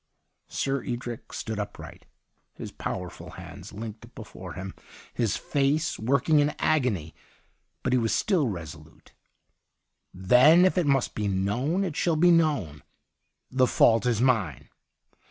' SirEdric stood upright, his power ful hands linked before him, his face working in agony ; but he was still resolute. 'Then if it must be known, it shall be known. The fault is mine.